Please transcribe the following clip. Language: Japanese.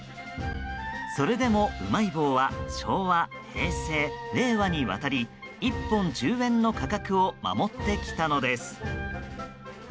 それでもうまい棒は昭和、平成、令和にわたり１本１０円の価格を守ってきたのです。